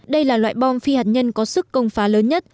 đây là loại bom phi hạt nhân có sức công phá lớn nhất